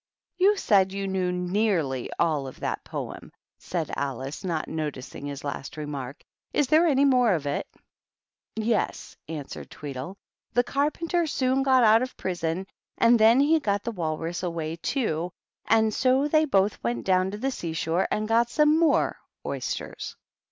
" You said you knew nearly all of that poem," said Alice, not noticing his last remark. "Is there any more of it?" "Yes," answered Tweedle. "The Carpenter soon got out of prison, and then he got the Walrus away, too, and so they both went down to the sea shore and got some more oysters."